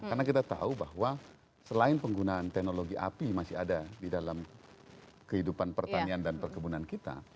karena kita tahu bahwa selain penggunaan teknologi api masih ada di dalam kehidupan pertanian dan perkebunan kita